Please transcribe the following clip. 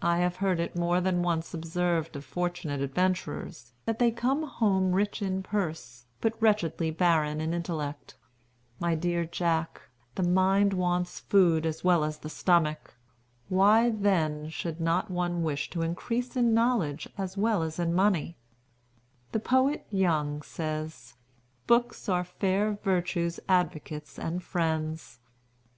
I have heard it more than once observed of fortunate adventurers, that they come home rich in purse, but wretchedly barren in intellect. My dear Jack, the mind wants food as well as the stomach. Why, then, should not one wish to increase in knowledge as well as in money? The poet Young says, 'Books are fair Virtue's advocates and friends.'